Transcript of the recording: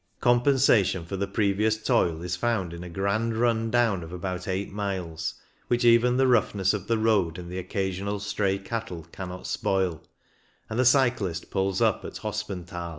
Compen sation for the previous toil is found in a grand run down of about eight miles, which even the roughness of the road and occasional stray cattle cannot spoil, and the cyclist pulls up at Hospenthal.